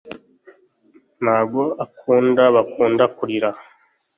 ntago akunda bakunda kurira